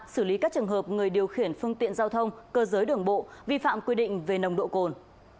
xử lý các trường hợp người điều khiển phương tiện giao thông cơ giới đường bộ vi phạm quy định về nồng độ cồn